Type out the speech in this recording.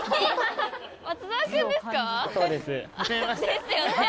ですよね？